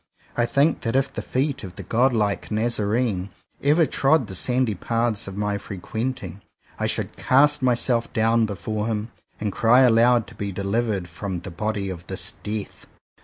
I think that if the feet of the god like Nazarene ever trod the sandy paths of my frequenting, I should cast myself down before Him, and cry aloud to be delivered from "the body of this death.